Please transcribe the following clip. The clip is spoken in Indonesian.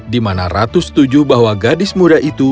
di mana ratu setuju bahwa gadis muda itu